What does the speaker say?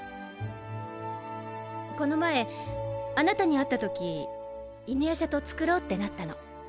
この前あなたに会ったとき犬夜叉と作ろうってなったの。